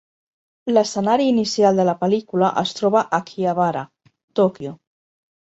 L'escenari inicial de la pel·lícula es troba a Akihabara, Tòquio.